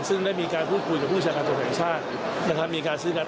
ซึ่งได้มีการคุยด้วยผู้ชายธรรมไทยก็ช่างนะครับมีการซื้อการ